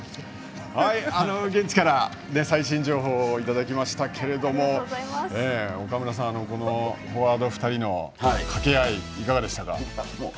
現地から最新情報をいただきましたけれどもフォワード２人の掛け合いいかがでしたか？